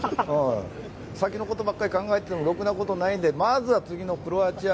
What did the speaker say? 先のことばっかり考えてもろくなことがないのでまずは、次のクロアチア。